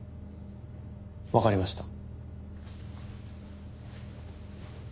わかりました。